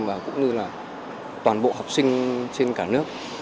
và cũng như là toàn bộ học sinh trên cả nước